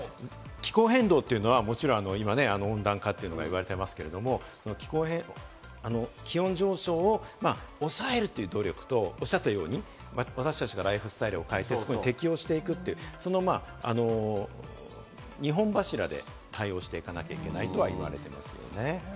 気候変動というのは、温暖化というのが今、言われてますけれども、気温上昇を抑えるという努力とおっしゃったように、私達がライフスタイルを変えて適応していく、２本柱で対応していかなきゃいけないとは言われてますよね。